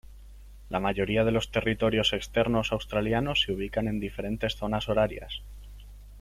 La mayoría de los territorios externos australianos se ubican en diferentes zonas horarias.